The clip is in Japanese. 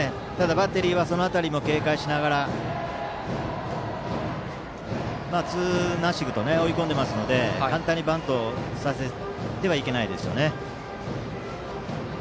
バッテリーはその辺りも警戒しながらツーナッシングと追い込んでいますので簡単にバントをさせてはいけないですね。